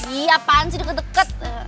ih apaan sih deket deket